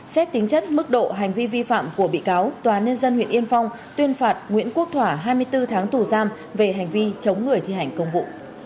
xét tính chất mức độ hành vi vi phạm của bị cáo tòa nhân dân huyện yên phong tuyên phạt nguyễn quốc thỏa hai mươi bốn tháng tù giam về hành vi chống người thi hành công vụ